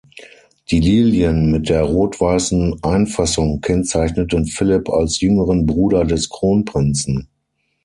Die Lilien mit der rot-weißen Einfassung kennzeichneten Philipp als jüngeren Bruder des Kronprinzen.